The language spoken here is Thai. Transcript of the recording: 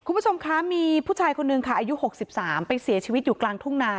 คุณผู้ชมคะมีผู้ชายคนนึงค่ะอายุ๖๓ไปเสียชีวิตอยู่กลางทุ่งนา